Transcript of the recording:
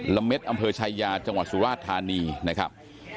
เม็ดอำเภอชายาจังหวัดสุราชธานีนะครับ